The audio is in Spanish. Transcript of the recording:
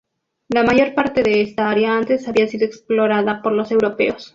La mayor parte de esta área antes no había sido explorada por los europeos.